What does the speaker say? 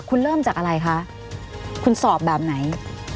คุณเริ่มจากอะไรคะคุณสอบแบบไหน